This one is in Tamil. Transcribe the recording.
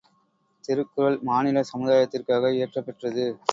திருக்குறள் மானிட சமுதாயத்திற்காக இயற்றப் பெற்றது.